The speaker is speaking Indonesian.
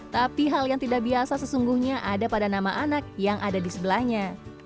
tapi hal yang tidak biasa sesungguhnya ada pada nama anak yang ada di sebelahnya